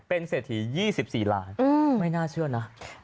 เป็นเศรษฐี๒๔ล้านไม่น่าเชื่อนะ